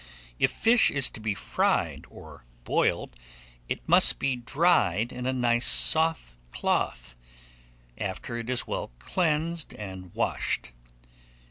IF FISH IS TO BE FRIED OR BROILED, it must be dried in a nice soft cloth, after it is well cleaned and washed.